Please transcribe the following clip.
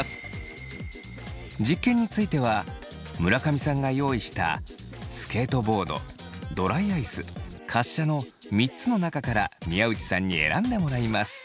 実験については村上さんが用意したスケートボードドライアイス滑車の３つの中から宮内さんに選んでもらいます。